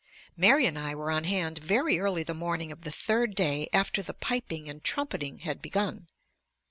Mary and I were on hand very early the morning of the third day after the piping and trumpeting had begun.